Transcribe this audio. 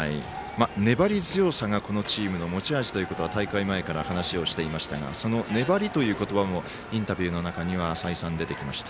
粘り強さがこのチームの持ち味だということは大会前から話をしていましたがその「粘り」という言葉もインタビューの中には再三、出てきました。